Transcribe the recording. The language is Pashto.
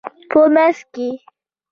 په مینځ کې